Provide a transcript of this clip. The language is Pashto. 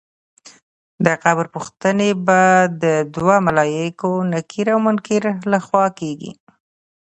د قبر پوښتنې به د دوو ملایکو نکیر او منکر له خوا کېږي.